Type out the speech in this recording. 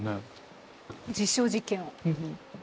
実証実験を。